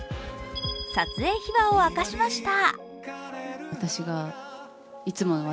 撮影秘話を明かしました。